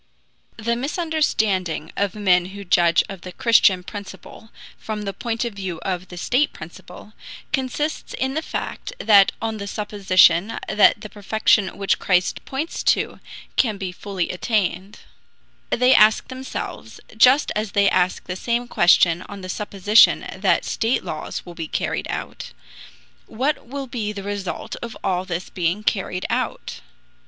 The misunderstanding of men who judge of the Christian principle from the point of view of the state principle, consists in the fact that on the supposition that the perfection which Christ points to, can be fully attained, they ask themselves (just as they ask the same question on the supposition that state laws will be carried out) what will be the result of all this being carried out?